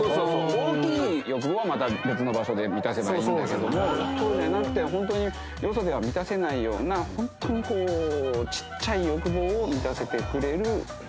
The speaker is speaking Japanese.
大きい欲望はまた別の場所で満たせばいいんだけどもそうじゃなくてホントによそでは満たせないようなホントにこうちっちゃい欲望を満たしてくれるお店。